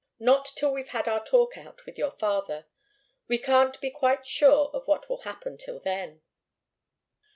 "Not till we've had our talk out with your father. We can't be quite sure of what will happen till then."